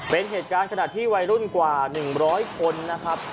เป็นเหตุการณ์ขณะที่วัยรุ่นกว่า๑๐๐คนนะครับ